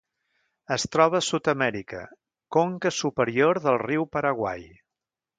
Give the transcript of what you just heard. Es troba a Sud-amèrica: conca superior del riu Paraguai.